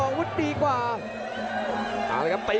เฉินที่รดเอาไป